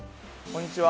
こんにちは。